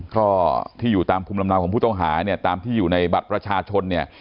ก็ที่อยู่ตามภูมิลำเนาของผู้ต้องหาเนี่ยตามที่อยู่ในบัตรประชาชนเนี่ย